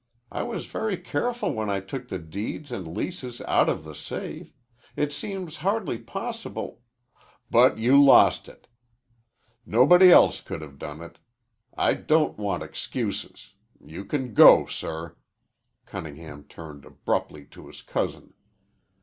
I was very careful when I took the deeds and leases out of the safe. It seems hardly possible " "But you lost it. Nobody else could have done it. I don't want excuses. You can go, sir." Cunningham turned abruptly to his cousin.